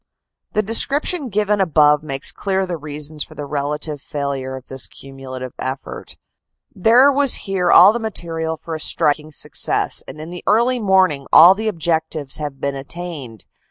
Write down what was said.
The description given above makes clear the reasons for the relative failure of this cumulative effort. There was here all the material for a striking success, and in the early morning all the objectives had been attained.